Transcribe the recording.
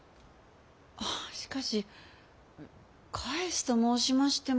しかし返すと申しましても。